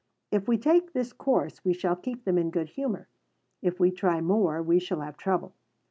If we take this course we shall keep them in good humour. If we try more we shall have trouble.